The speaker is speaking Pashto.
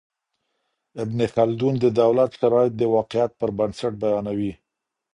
ابن خلدون د دولت شرایط د واقعیت پر بنسټ بیانوي.